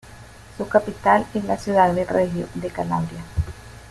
Su capital es la ciudad de Regio de Calabria.